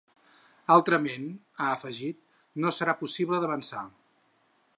Altrament, ha afegit, no serà possible d’avançar.